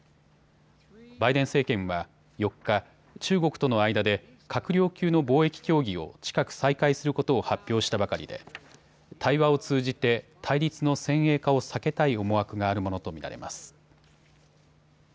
バイデン政権は４日、中国との間で閣僚級の貿易協議を近く再開することを発表したばかりで対話を通じて対立の先鋭化を避けたい思惑があるものと見られます。